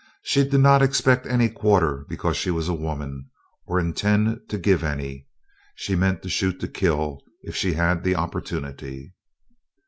She did not expect any quarter because she was a woman or intend to give any. She meant to shoot to kill, if she had the opportunity.